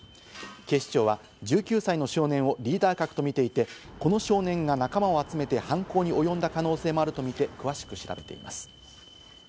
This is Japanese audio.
警視庁は１９歳の少年をリーダー格とみていて、この少年が仲間を集めて犯行に及んだ可能性もあるとみて詳しく調べています。